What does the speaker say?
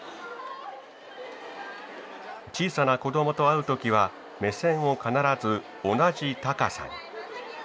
小さな子供と会う時は目線を必ず同じ高さに。